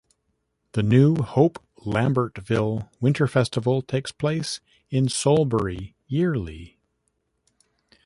The New Hope-Lambertville Winter Festival takes place in Solebury yearly.